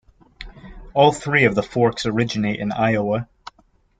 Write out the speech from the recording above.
All three of the forks originate in Iowa.